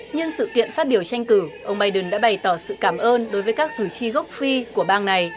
nhân sự kiện phát biểu tranh cử ông biden đã bày tỏ sự cảm ơn đối với các cử tri gốc phi của bang này